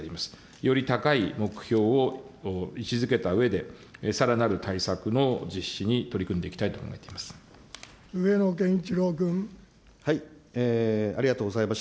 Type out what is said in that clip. より高い目標を位置づけたうえで、さらなる対策の実施に取り組んでいきたいと考えています。